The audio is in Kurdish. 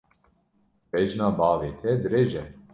Bejna bavê te dirêj e.